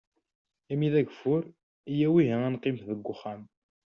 Imi d agfur, iyyaw ihi ad neqqimet deg uxxam.